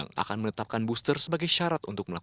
makin agak sedikit agak